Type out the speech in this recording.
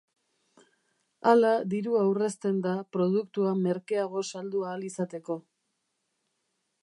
Hala dirua aurrezten da produktua merkeago saldu ahal izateko.